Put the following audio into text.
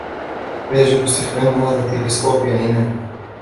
يجب استخدام هذا التلسكوب بعناية.